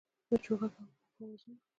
د چوغکو او اوبو په آوازونو